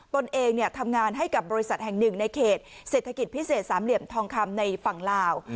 ตนเองทำงานให้กับบริษัทแห่งหนึ่งในเขตเศรษฐกิจพิเศษสามเหลี่ยมทองคำในฝั่งลาว